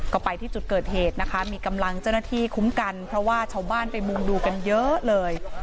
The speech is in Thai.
ก็ไปที่จุดเกิดเหตุนะคะมีกำลังเจ้าหน้าที่คุ้มกันเพราะว่าชาวบ้านไปมุงดูกันเยอะเลย